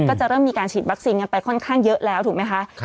ก็จะเริ่มมีการฉีดวัคซีนกันไปค่อนข้างเยอะแล้วถูกไหมคะ